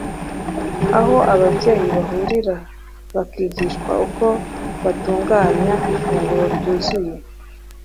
aho ababyeyi bahurira bakigishwa uko batunganya ifunguro ryuzuye